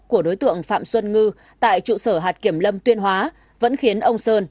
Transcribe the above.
của đối tượng phạm xuân ngư tại trụ sở hạt kiểm lâm tuyên hóa vẫn khiến ông sơn